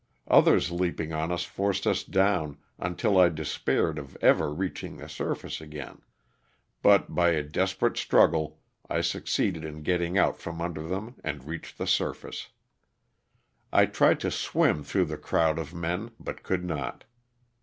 Others leaping on us forced us down until I despaired of ever reaching the surface again but, by a desper ate struggle, I succeeded in getting out from under them and reached the surface. I tried to swim through the crowd of men but could not.